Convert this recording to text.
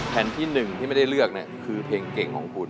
แผ่นที่๑ที่ไม่ได้เลือกคือเพลงเก่งของคุณ